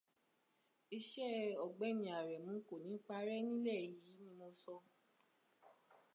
Iṣẹ́ Ọ̀gbẹ́ni Àrẹ̀mú kò ní parẹ́ nílẹ̀ yìí ni mo sọ